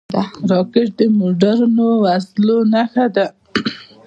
راکټ د مدرنو وسلو نښه ده